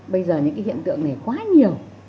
bây giờ những cái hiện tượng này quá nhiều